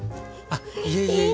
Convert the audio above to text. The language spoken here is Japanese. あっいえいえいえ。